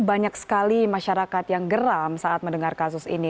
banyak sekali masyarakat yang geram saat mendengar kasus ini